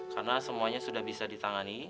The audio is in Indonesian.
karena semuanya sudah bisa ditangani